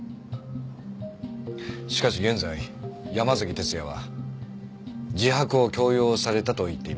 しかし現在山崎哲也は自白を強要されたと言っています。